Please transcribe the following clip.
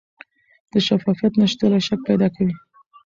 د شفافیت نشتوالی شک پیدا کوي